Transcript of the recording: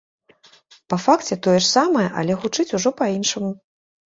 Па факце, тое ж самае, але гучыць ужо па-іншаму.